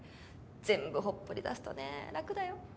全部ほっぽりだすとね楽だよ？